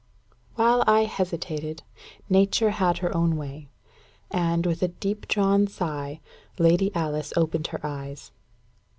While I hesitated, Nature had her own way, and, with a deep drawn sigh, Lady Alice opened her eyes.